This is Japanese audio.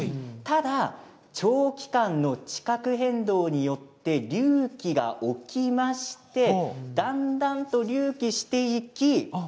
ただ長期間の地殻変動によって隆起が起きましてだんだん隆起していき